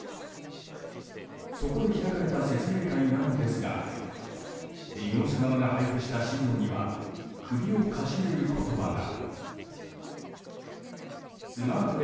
そこで開かれた説明会なのですが事業者側が配布した資料には首をかしげる言葉が。